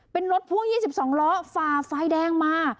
เป็นรถพ่วง๒๒ล้อฝ่าไฟแดงมา